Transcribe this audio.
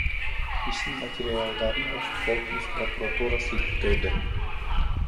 Иштин материалдарын Ош облустук прокуратурасы иликтөөдө.